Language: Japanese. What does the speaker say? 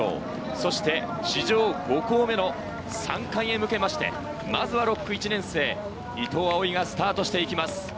そして史上５校目の３冠へ向けまして、まずは６区、１年生・伊藤蒼唯がスタートしていきます。